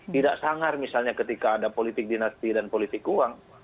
tidak sangar misalnya ketika ada politik dinasti dan politik uang